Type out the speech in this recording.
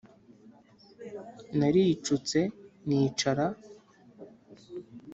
naricutse nicara